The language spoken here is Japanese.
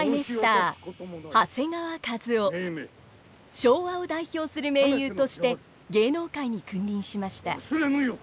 昭和を代表する名優として芸能界に君臨しました。